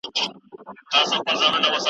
په لاهور کي بیا ټومبلی بیرغ غواړم .